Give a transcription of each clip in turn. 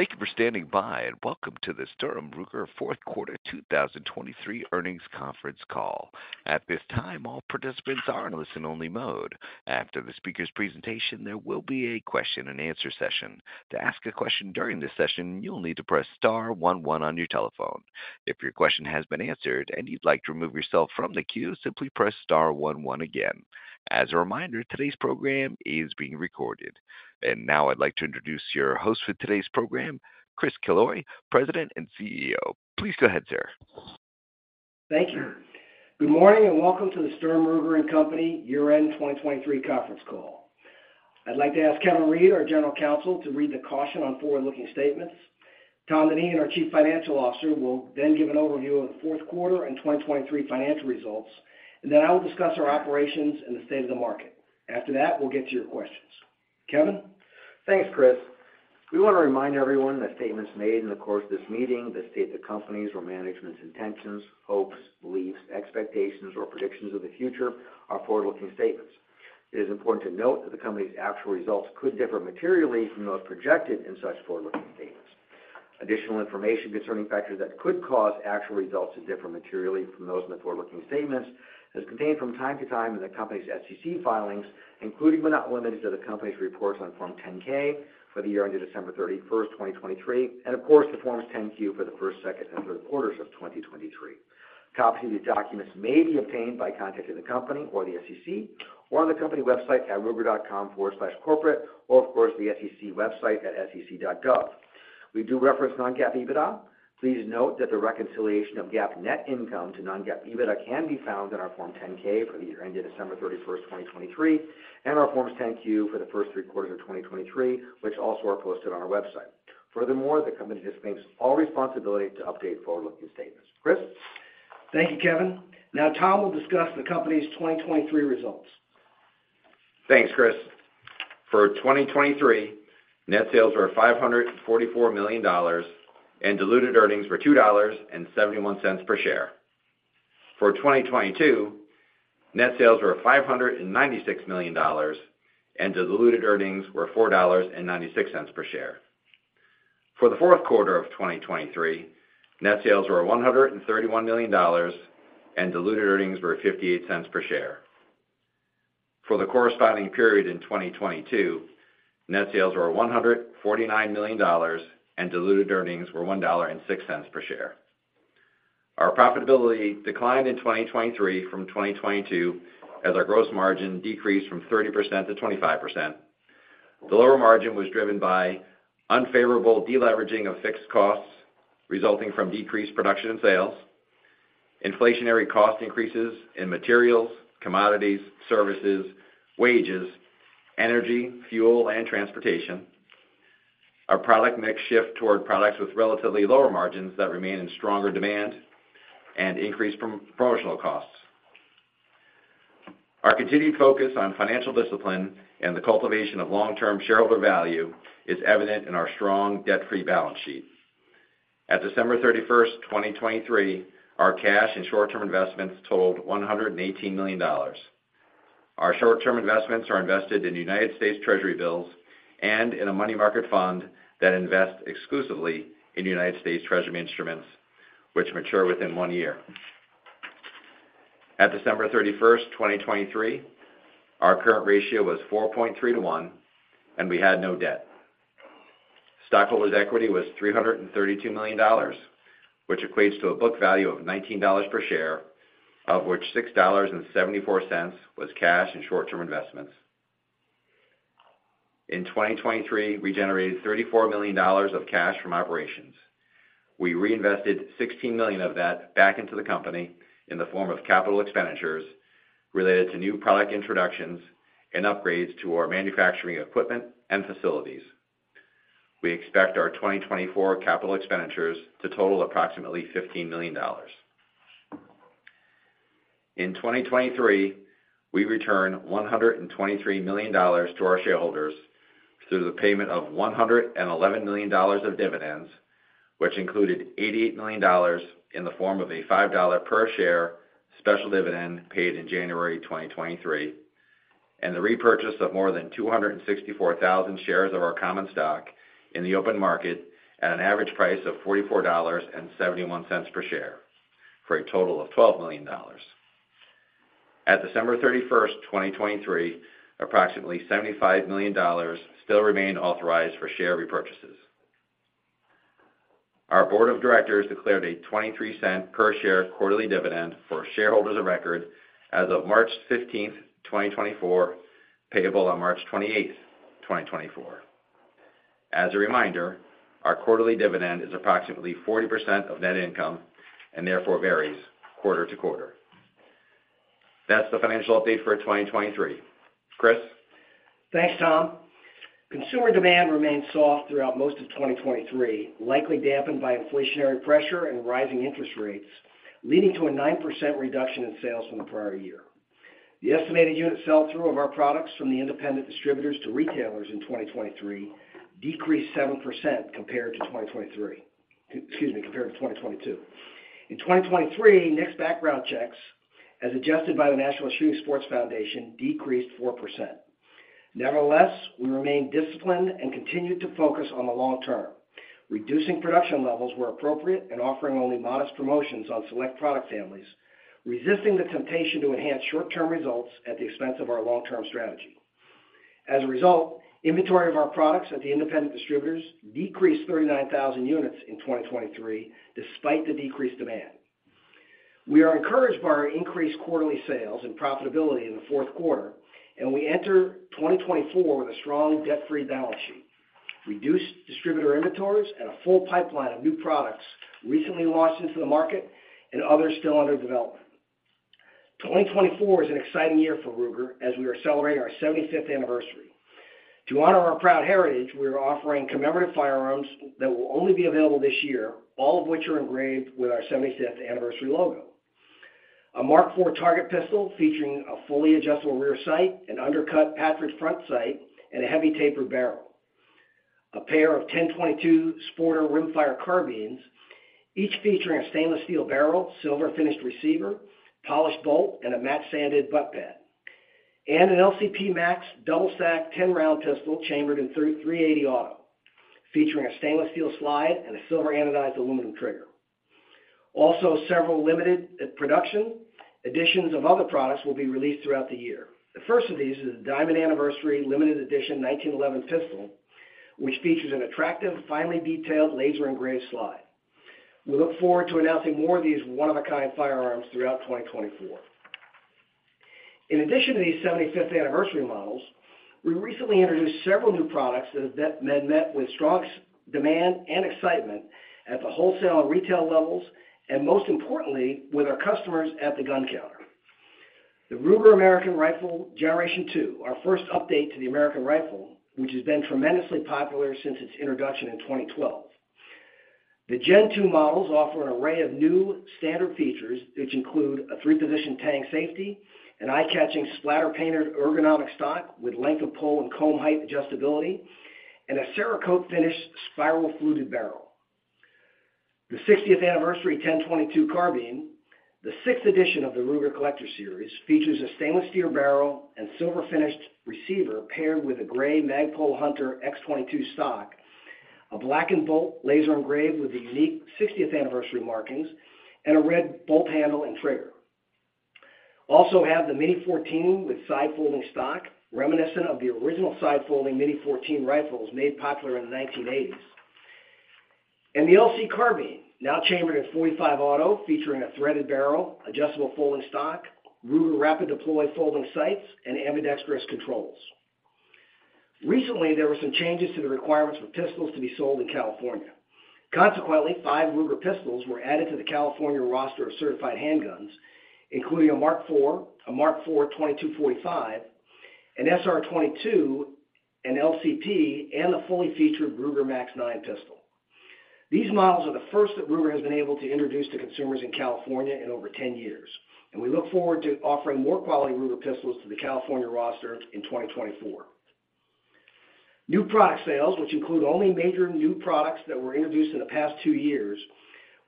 Thank you for standing by and welcome to the Sturm, Ruger fourth quarter 2023 earnings conference call. At this time, all participants are in listen-only mode. After the speaker's presentation, there will be a question-and-answer session. To ask a question during this session, you'll need to press star one one on your telephone. If your question has been answered and you'd like to remove yourself from the queue, simply press star one one again. As a reminder, today's program is being recorded. And now I'd like to introduce your host for today's program, Chris Killoy, President and CEO. Please go ahead, sir. Thank you. Good morning and welcome to the Sturm, Ruger & Company year-end 2023 conference call. I'd like to ask Kevin Reid, our General Counsel, to read the caution on forward-looking statements. Tom Dineen, our Chief Financial Officer, will then give an overview of the fourth quarter and 2023 financial results, and then I will discuss our operations and the state of the market. After that, we'll get to your questions. Kevin? Thanks, Chris. We want to remind everyone that statements made in the course of this meeting that state the company's or management's intentions, hopes, beliefs, expectations, or predictions of the future are forward-looking statements. It is important to note that the company's actual results could differ materially from those projected in such forward-looking statements. Additional information concerning factors that could cause actual results to differ materially from those in the forward-looking statements is contained from time to time in the company's SEC filings, including but not limited to the company's reports on Form 10-K for the year ending December 31st, 2023, and, of course, the Forms 10-Q for the first, second, and third quarters of 2023. Copies of these documents may be obtained by contacting the company or the SEC or on the company website at ruger.com/corporate or, of course, the SEC website at sec.gov. We do reference non-GAAP EBITDA. Please note that the reconciliation of GAAP net income to non-GAAP EBITDA can be found in our Form 10-K for the year ending December 31st, 2023, and our Forms 10-Q for the first three quarters of 2023, which also are posted on our website. Furthermore, the company disclaims all responsibility to update forward-looking statements. Chris? Thank you, Kevin. Now, Tom will discuss the company's 2023 results. Thanks, Chris. For 2023, net sales were $544 million and diluted earnings were $2.71 per share. For 2022, net sales were $596 million and diluted earnings were $4.96 per share. For the fourth quarter of 2023, net sales were $131 million and diluted earnings were $0.58 per share. For the corresponding period in 2022, net sales were $149 million and diluted earnings were $1.06 per share. Our profitability declined in 2023 from 2022 as our gross margin decreased from 30% to 25%. The lower margin was driven by unfavorable deleveraging of fixed costs resulting from decreased production and sales, inflationary cost increases in materials, commodities, services, wages, energy, fuel, and transportation, our product mix shift toward products with relatively lower margins that remain in stronger demand, and increased promotional costs. Our continued focus on financial discipline and the cultivation of long-term shareholder value is evident in our strong debt-free balance sheet. At December 31st, 2023, our cash and short-term investments totaled $118 million. Our short-term investments are invested in United States Treasury bills and in a money market fund that invests exclusively in United States Treasury instruments, which mature within one year. At December 31st, 2023, our current ratio was 4.3 to 1, and we had no debt. Stockholders' equity was $332 million, which equates to a book value of $19 per share, of which $6.74 was cash and short-term investments. In 2023, we generated $34 million of cash from operations. We reinvested $16 million of that back into the company in the form of capital expenditures related to new product introductions and upgrades to our manufacturing equipment and facilities. We expect our 2024 capital expenditures to total approximately $15 million. In 2023, we returned $123 million to our shareholders through the payment of $111 million of dividends, which included $88 million in the form of a $5 per share special dividend paid in January 2023, and the repurchase of more than 264,000 shares of our common stock in the open market at an average price of $44.71 per share for a total of $12 million. At December 31st, 2023, approximately $75 million still remained authorized for share repurchases. Our board of directors declared a $0.23 per share quarterly dividend for shareholders of record as of March 15th, 2024, payable on March 28th, 2024. As a reminder, our quarterly dividend is approximately 40% of net income and therefore varies quarter to quarter. That's the financial update for 2023. Chris? Thanks, Tom. Consumer demand remained soft throughout most of 2023, likely dampened by inflationary pressure and rising interest rates leading to a 9% reduction in sales from the prior year. The estimated unit sell-through of our products from the independent distributors to retailers in 2023 decreased 7% compared to 2023 excuse me, compared to 2022. In 2023, NICS background checks, as adjusted by the National Shooting Sports Foundation, decreased 4%. Nevertheless, we remained disciplined and continued to focus on the long term, reducing production levels where appropriate and offering only modest promotions on select product families, resisting the temptation to enhance short-term results at the expense of our long-term strategy. As a result, inventory of our products at the independent distributors decreased 39,000 units in 2023 despite the decreased demand. We are encouraged by our increased quarterly sales and profitability in the fourth quarter, and we enter 2024 with a strong debt-free balance sheet, reduced distributor inventories, and a full pipeline of new products recently launched into the market and others still under development. 2024 is an exciting year for Ruger as we are celebrating our 75th anniversary. To honor our proud heritage, we are offering commemorative firearms that will only be available this year, all of which are engraved with our 75th anniversary logo, a Mark IV Target pistol featuring a fully adjustable rear sight, an undercut Patridge front sight, and a heavy tapered barrel, a pair of 10/22 Sporter rimfire carbines, each featuring a stainless steel barrel, silver-finished receiver, polished bolt, and a matte-sanded butt plate, and an LCP MAX double-stack 10-round pistol chambered in .380 Auto featuring a stainless steel slide and a silver-anodized aluminum trigger. Also, several limited production editions of other products will be released throughout the year. The first of these is the Diamond Anniversary Limited Edition 1911 pistol, which features an attractive, finely detailed laser-engraved slide. We look forward to announcing more of these one-of-a-kind firearms throughout 2024. In addition to these 75th anniversary models, we recently introduced several new products that have been met with strong demand and excitement at the wholesale and retail levels and, most importantly, with our customers at the gun counter. The Ruger American Rifle Generation II, our first update to the American rifle, which has been tremendously popular since its introduction in 2012. The Gen II models offer an array of new standard features, which include a three-position tang safety, an eye-catching splatter-painted ergonomic stock with length of pull and comb height adjustability, and a Cerakote-finished spiral fluted barrel. The 60th anniversary 10/22 carbine, the sixth edition of the Ruger Collector Series, features a stainless steel barrel and silver-finished receiver paired with a gray Magpul Hunter X-22 stock, a blackened bolt laser-engraved with the unique 60th anniversary markings, and a red bolt handle and trigger. Also have the Mini-14 with side-folding stock, reminiscent of the original side-folding Mini-14 rifles made popular in the 1980s, and the LC Carbine, now chambered in .45 Auto featuring a threaded barrel, adjustable folding stock, Ruger Rapid Deploy folding sights, and ambidextrous controls. Recently, there were some changes to the requirements for pistols to be sold in California. Consequently, five Ruger pistols were added to the California roster of certified handguns, including a Mark IV, a Mark IV 22/45, an SR22, an LCP, and the fully featured Ruger MAX-9 pistol. These models are the first that Ruger has been able to introduce to consumers in California in over 10 years, and we look forward to offering more quality Ruger pistols to the California roster in 2024. New product sales, which include only major new products that were introduced in the past two years,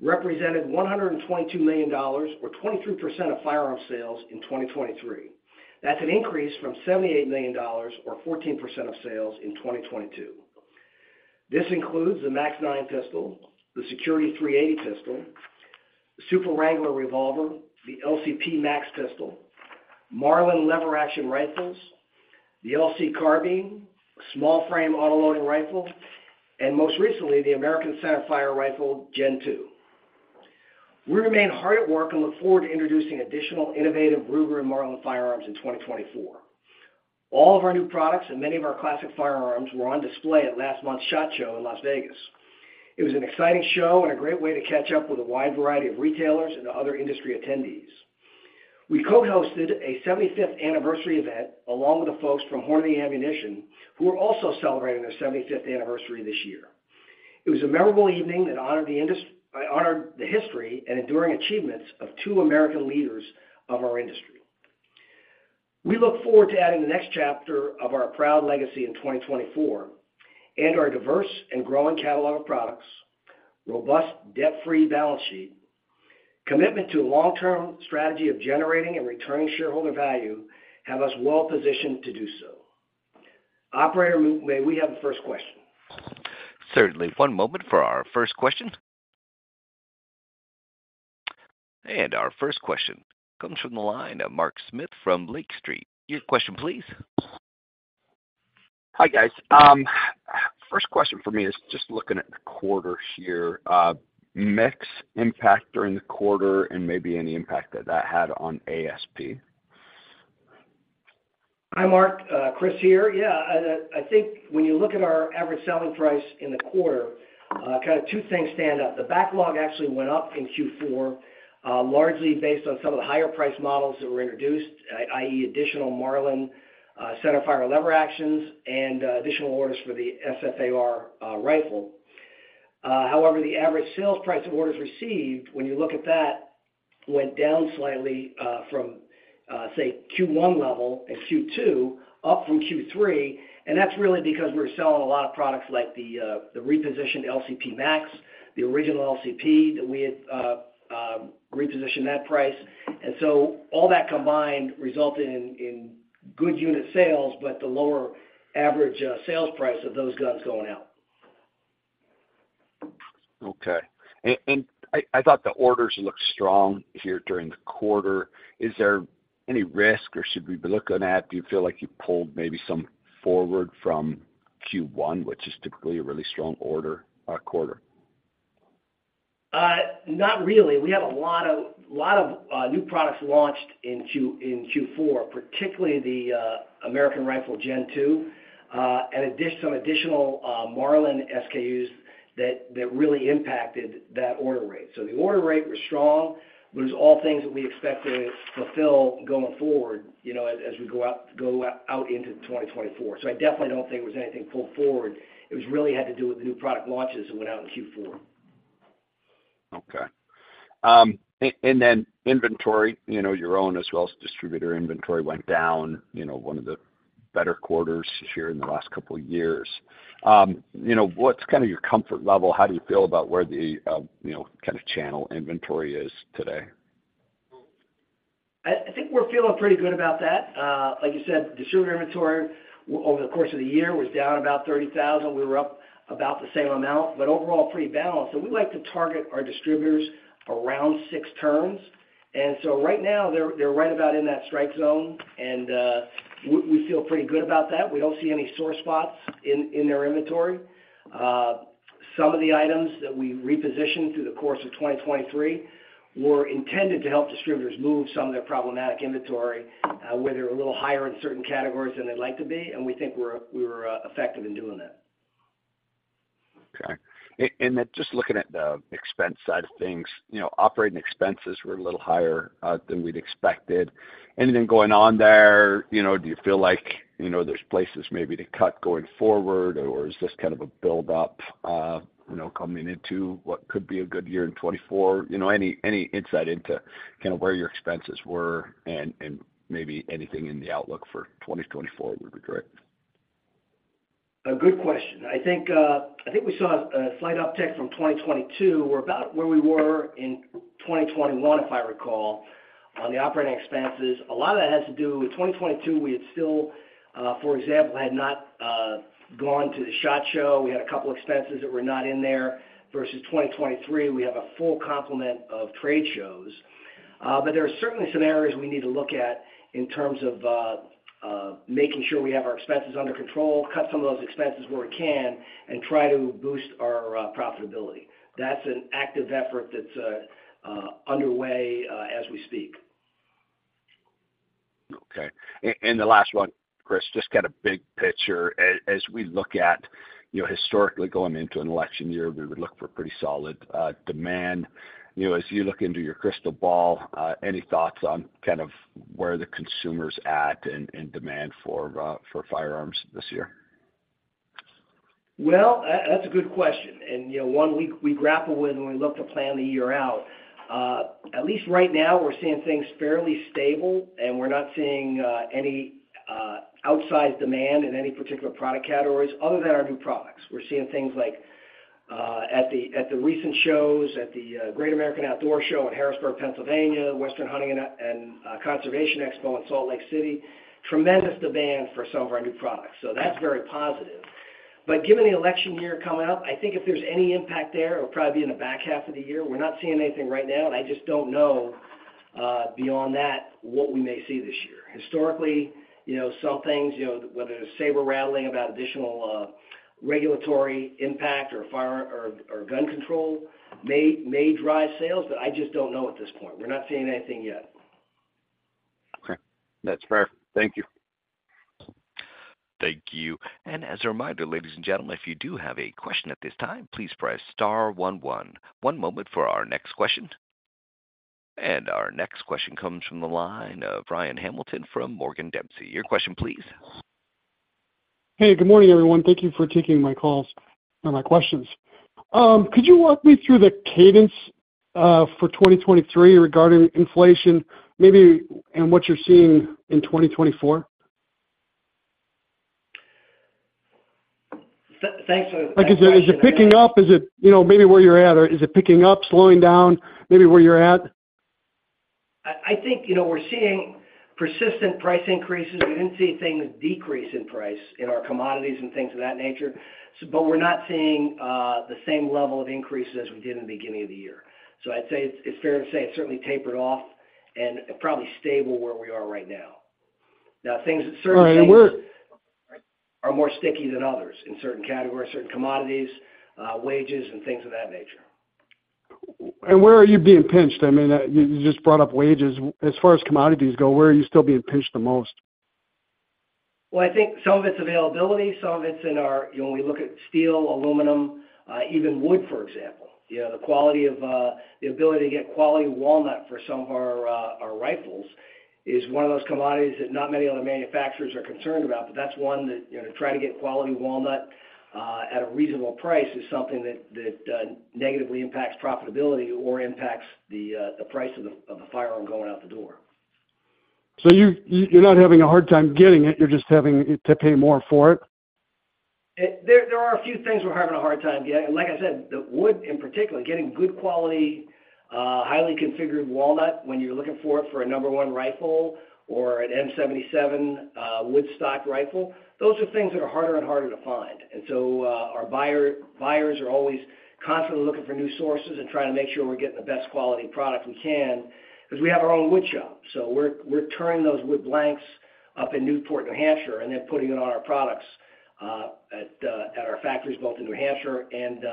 represented $122 million or 23% of firearms sales in 2023. That's an increase from $78 million or 14% of sales in 2022. This includes the MAX-9 pistol, the Security-380 pistol, the Super Wrangler revolver, the LCP MAX pistol, Marlin lever-action rifles, the LC Carbine, small-frame autoloading rifle, and most recently, the American centerfire Rifle Gen II. We remain hard at work and look forward to introducing additional innovative Ruger and Marlin firearms in 2024. All of our new products and many of our classic firearms were on display at last month's SHOT Show in Las Vegas. It was an exciting show and a great way to catch up with a wide variety of retailers and other industry attendees. We co-hosted a 75th anniversary event along with the folks from Hornady who are also celebrating their 75th anniversary this year. It was a memorable evening that honored the history and enduring achievements of two American leaders of our industry. We look forward to adding the next chapter of our proud legacy in 2024, and our diverse and growing catalog of products, robust debt-free balance sheet, commitment to a long-term strategy of generating and returning shareholder value have us well positioned to do so. Operator, may we have the first question? Certainly. One moment for our first question. Our first question comes from the line of Mark Smith from Lake Street. Your question, please. Hi, guys. First question for me is just looking at the quarter here. MIX impact during the quarter and maybe any impact that that had on ASP? Hi, Mark. Chris here. Yeah, I think when you look at our average selling price in the quarter, kind of two things stand out. The backlog actually went up in Q4, largely based on some of the higher-priced models that were introduced, i.e., additional Marlin centerfire lever actions and additional orders for the SFAR rifle. However, the average sales price of orders received, when you look at that, went down slightly from, say, Q1 level and Q2, up from Q3. And that's really because we were selling a lot of products like the repositioned LCP MAX, the original LCP, that we had repositioned that price. And so all that combined resulted in good unit sales but the lower average sales price of those guns going out. Okay. I thought the orders looked strong here during the quarter. Is there any risk or should we be looking at do you feel like you pulled maybe some forward from Q1, which is typically a really strong quarter? Not really. We had a lot of new products launched in Q4, particularly the American Rifle Gen II and some additional Marlin SKUs that really impacted that order rate. So the order rate was strong, but it was all things that we expected to fulfill going forward as we go out into 2024. So I definitely don't think there was anything pulled forward. It really had to do with the new product launches that went out in Q4. Okay. And then inventory, your own as well as distributor inventory went down one of the better quarters here in the last couple of years. What's kind of your comfort level? How do you feel about where the kind of channel inventory is today? I think we're feeling pretty good about that. Like you said, distributor inventory over the course of the year was down about 30,000. We were up about the same amount. But overall, pretty balanced. So we like to target our distributors around six turns. And so right now, they're right about in that strike zone, and we feel pretty good about that. We don't see any sore spots in their inventory. Some of the items that we repositioned through the course of 2023 were intended to help distributors move some of their problematic inventory where they were a little higher in certain categories than they'd like to be, and we think we were effective in doing that. Okay. And then just looking at the expense side of things, operating expenses were a little higher than we'd expected. Anything going on there? Do you feel like there's places maybe to cut going forward, or is this kind of a buildup coming into what could be a good year in 2024? Any insight into kind of where your expenses were and maybe anything in the outlook for 2024 would be great. A good question. I think we saw a slight uptick from 2022. We're about where we were in 2021, if I recall, on the operating expenses. A lot of that has to do with 2022, we had still, for example, had not gone to the SHOT Show. We had a couple of expenses that were not in there versus 2023. We have a full complement of trade shows. But there are certainly some areas we need to look at in terms of making sure we have our expenses under control, cut some of those expenses where we can, and try to boost our profitability. That's an active effort that's underway as we speak. Okay. And the last one, Chris, just kind of big picture. As we look at historically going into an election year, we would look for pretty solid demand. As you look into your crystal ball, any thoughts on kind of where the consumer's at in demand for firearms this year? Well, that's a good question. And one, we grapple with when we look to plan the year out. At least right now, we're seeing things fairly stable, and we're not seeing any outsized demand in any particular product categories other than our new products. We're seeing things like at the recent shows, at the Great American Outdoor Show in Harrisburg, Pennsylvania, Western Hunting and Conservation Expo in Salt Lake City, tremendous demand for some of our new products. So that's very positive. But given the election year coming up, I think if there's any impact there, it'll probably be in the back half of the year. We're not seeing anything right now, and I just don't know beyond that what we may see this year. Historically, some things, whether it's saber rattling about additional regulatory impact or gun control, may drive sales, but I just don't know at this point. We're not seeing anything yet. Okay. That's fair. Thank you. Thank you. As a reminder, ladies and gentlemen, if you do have a question at this time, please press star one one. One moment for our next question. Our next question comes from the line of Ryan Hamilton from Morgan Dempsey. Your question, please. Hey, good morning, everyone. Thank you for taking my calls or my questions. Could you walk me through the cadence for 2023 regarding inflation and what you're seeing in 2024? Thanks for the question. Is it picking up? Is it maybe where you're at, or is it picking up, slowing down, maybe where you're at? I think we're seeing persistent price increases. We didn't see things decrease in price in our commodities and things of that nature, but we're not seeing the same level of increases as we did in the beginning of the year. So I'd say it's fair to say it's certainly tapered off and probably stable where we are right now. Now, things that certainly are more sticky than others in certain categories, certain commodities, wages, and things of that nature. Where are you being pinched? I mean, you just brought up wages. As far as commodities go, where are you still being pinched the most? Well, I think some of it's availability. Some of it's inventory when we look at steel, aluminum, even wood, for example. The quality of the ability to get quality walnut for some of our rifles is one of those commodities that not many other manufacturers are concerned about, but that's one that to try to get quality walnut at a reasonable price is something that negatively impacts profitability or impacts the price of the firearm going out the door. So you're not having a hard time getting it. You're just having to pay more for it? There are a few things we're having a hard time getting. And like I said, the wood in particular, getting good quality, highly figured walnut when you're looking for it for a number one rifle or an M77 wood stock rifle, those are things that are harder and harder to find. And so our buyers are always constantly looking for new sources and trying to make sure we're getting the best quality product we can because we have our own wood shop. So we're turning those wood blanks up in Newport, New Hampshire, and then putting it on our products at our factories both in New Hampshire and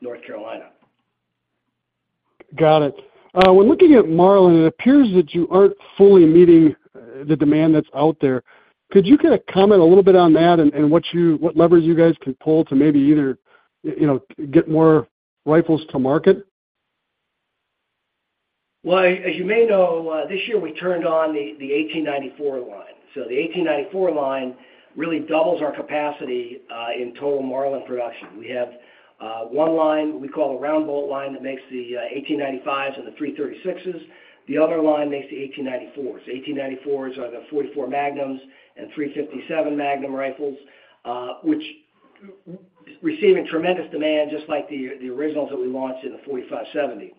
North Carolina. Got it. When looking at Marlin, it appears that you aren't fully meeting the demand that's out there. Could you kind of comment a little bit on that and what levers you guys can pull to maybe either get more rifles to market? Well, as you may know, this year, we turned on the 1894 line. So the 1894 line really doubles our capacity in total Marlin production. We have one line we call the Round Bolt line that makes the 1895s and the 336s. The other line makes the 1894s. 1894s are the .44 Magnum and .357 Magnum rifles, receiving tremendous demand just like the originals that we launched in the .45-70.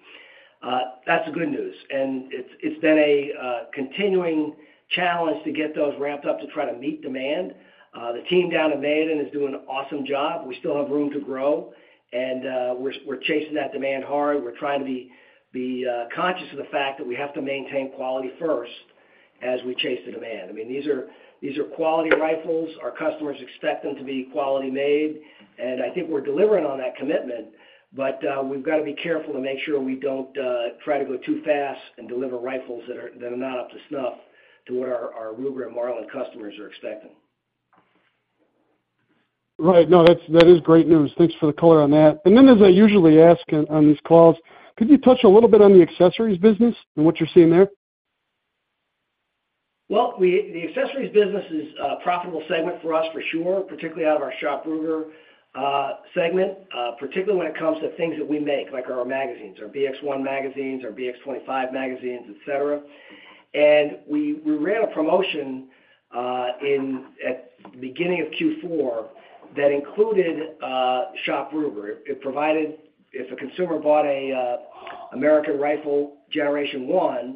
That's the good news. And it's been a continuing challenge to get those ramped up to try to meet demand. The team down in Mayodan is doing an awesome job. We still have room to grow, and we're chasing that demand hard. We're trying to be conscious of the fact that we have to maintain quality first as we chase the demand. I mean, these are quality rifles. Our customers expect them to be quality-made, and I think we're delivering on that commitment. But we've got to be careful to make sure we don't try to go too fast and deliver rifles that are not up to snuff to what our Ruger & Marlin customers are expecting. Right. No, that is great news. Thanks for the color on that. And then, as I usually ask on these calls, could you touch a little bit on the accessories business and what you're seeing there? Well, the accessories business is a profitable segment for us for sure, particularly out of our Shop Ruger segment, particularly when it comes to things that we make like our magazines, our BX-1 magazines, our BX-25 magazines, etc. And we ran a promotion at the beginning of Q4 that included Shop Ruger. If a consumer bought an American Rifle Generation I,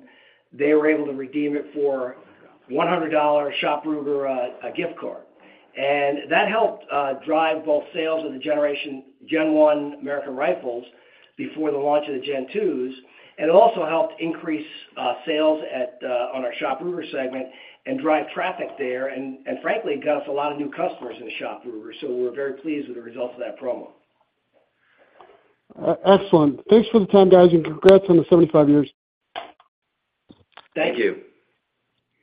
they were able to redeem it for a $100 Shop Ruger gift card. And that helped drive both sales of the Gen I American Rifles before the launch of the Gen IIs. And it also helped increase sales on our Shop Ruger segment and drive traffic there and, frankly, got us a lot of new customers in the Shop Ruger. So we're very pleased with the results of that promo. Excellent. Thanks for the time, guys, and congrats on the 75 years. Thank you.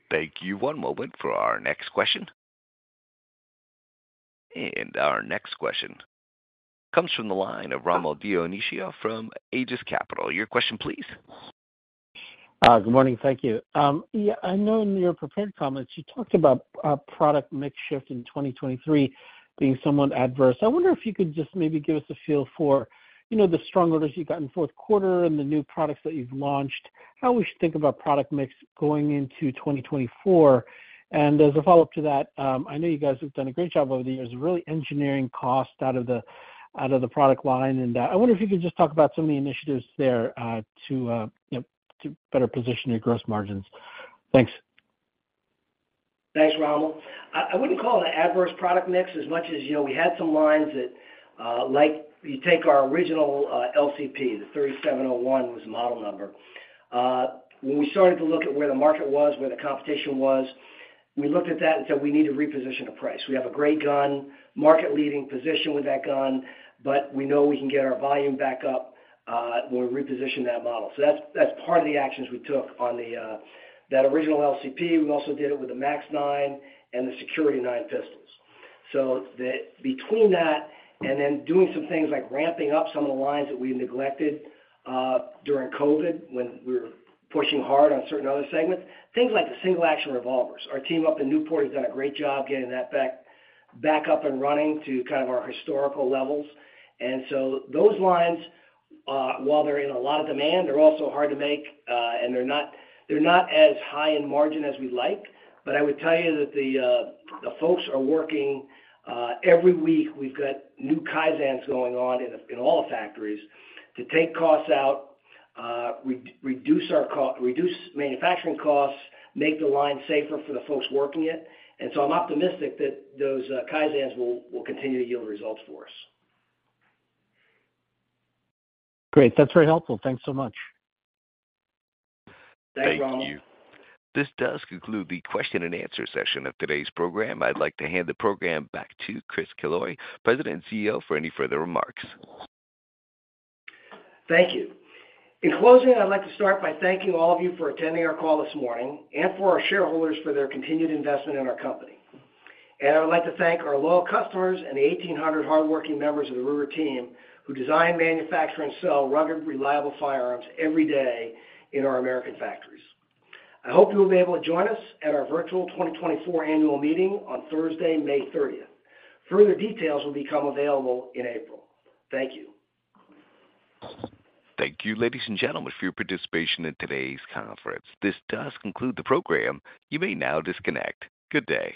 Thank you. One moment for our next question. Our next question comes from the line of Rommel Dionisio from Aegis Capital. Your question, please. Good morning. Thank you. Yeah, I know in your prepared comments, you talked about product mix shift in 2023 being somewhat adverse. I wonder if you could just maybe give us a feel for the strong orders you got in the fourth quarter and the new products that you've launched, how we should think about product mix going into 2024? And as a follow-up to that, I know you guys have done a great job over the years, really engineering costs out of the product line. And I wonder if you could just talk about some of the initiatives there to better position your gross margins. Thanks. Thanks, Rommel. I wouldn't call it an adverse product mix as much as we had some lines that you take our original LCP, the 3701, was the model number. When we started to look at where the market was, where the competition was, we looked at that and said, "We need to reposition the price. We have a great gun, market-leading position with that gun, but we know we can get our volume back up when we reposition that model." So that's part of the actions we took on that original LCP. We also did it with the MAX-9 and the Security-9 pistols. So between that and then doing some things like ramping up some of the lines that we neglected during COVID when we were pushing hard on certain other segments, things like the single-action revolvers, our team up in Newport has done a great job getting that back up and running to kind of our historical levels. And so those lines, while they're in a lot of demand, they're also hard to make, and they're not as high in margin as we'd like. But I would tell you that the folks are working every week. We've got new Kaizens going on in all the factories to take costs out, reduce manufacturing costs, make the line safer for the folks working it. And so I'm optimistic that those Kaizens will continue to yield results for us. Great. That's very helpful. Thanks so much. Thanks, Rommel. Thank you. This does conclude the question-and-answer session of today's program. I'd like to hand the program back to Chris Killoy, President and CEO, for any further remarks. Thank you. In closing, I'd like to start by thanking all of you for attending our call this morning and for our shareholders for their continued investment in our company. I would like to thank our loyal customers and the 1,800 hardworking members of the Ruger team who design, manufacture, and sell rugged, reliable firearms every day in our American factories. I hope you'll be able to join us at our virtual 2024 annual meeting on Thursday, May 30th. Further details will become available in April. Thank you. Thank you, ladies and gentlemen, for your participation in today's conference. This does conclude the program. You may now disconnect. Good day.